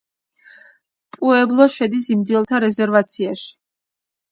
პუებლო შედის ინდიელთა რეზერვაციაში.